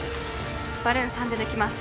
バルーン３で抜きます